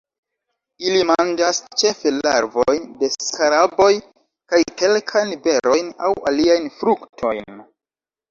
Ili manĝas ĉefe larvojn de skaraboj, kaj kelkajn berojn aŭ aliajn fruktojn.